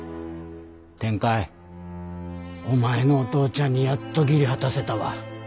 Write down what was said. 天海お前のお父ちゃんにやっと義理果たせたわ。